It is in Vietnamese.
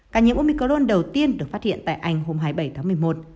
ca nhiễm umicron đầu tiên được phát hiện tại anh hôm hai mươi bảy tháng một mươi một